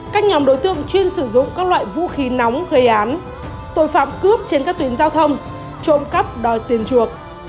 các nhóm đối tượng chuyên sử dụng các loại vũ khí nóng gây án tội phạm cướp trên các tuyến giao thông trộm cắp đòi tiền chuộc